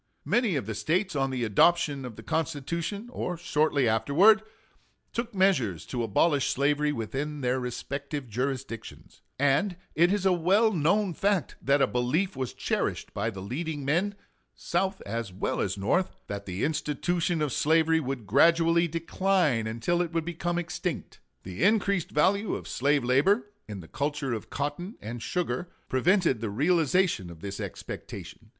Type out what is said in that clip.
Many of the States on the adoption of the Constitution, or shortly afterwards, took measures to abolish slavery within their respective jurisdictions; and it is a well known fact that a belief was cherished by the leading men, South as well as North, that the institution of slavery would gradually decline until it would become extinct. The increased value of slave labor, in the culture of cotton and sugar, prevented the realization of this expectation.